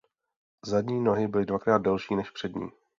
Zadní nohy byly dvakrát delší než přední.